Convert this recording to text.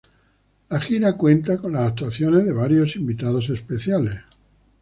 La gira cuenta con las actuaciones de varios invitados especiales.